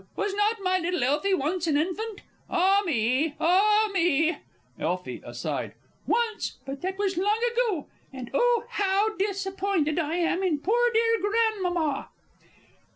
Was not my little Elfie once an infant? Ah me, ah me! Elfie (aside). Once but that was long, long ago. And, oh, how disappointed I am in poor dear Grandmama!